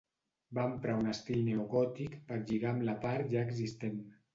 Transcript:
Va emprar un estil neogòtic per lligar amb la part ja existent.